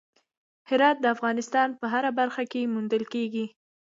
هرات د افغانستان په هره برخه کې موندل کېږي.